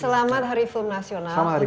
selamat hari film nasional terima kasih